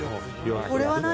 「これは何？」